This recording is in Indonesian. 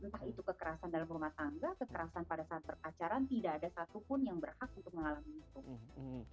entah itu kekerasan dalam rumah tangga kekerasan pada saat perpacaran tidak ada satupun yang berhak untuk mengalami itu